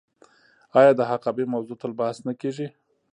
آیا د حقابې موضوع تل بحث نه کیږي؟